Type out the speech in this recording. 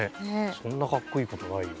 そんなかっこいいことないよ。